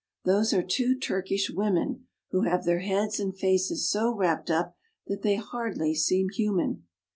Those are two Turkish women, who have their heads and faces so wrapped up that they hardly seem human.